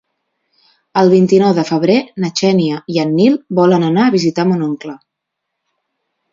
El vint-i-nou de febrer na Xènia i en Nil volen anar a visitar mon oncle.